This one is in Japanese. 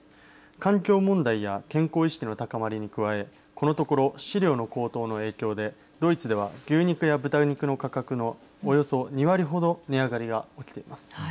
環境問題や健康意識の高まりに加えこのところ飼料の高騰の影響でドイツでは、牛肉や豚肉の価格のおよそ２割程値上がりが起きています。